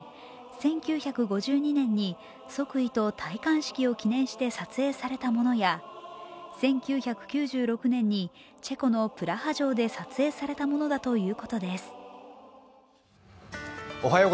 女王の顔写真がデザインされた４種類で１９５２年に即位と戴冠式を記念して撮影されたものや１９９６年にチェコのプラハ城で撮影されたものだということです。